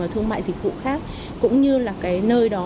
thương mại dịch vụ khác cũng như là cái nơi đó